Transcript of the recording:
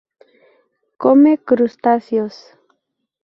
Come crustáceos.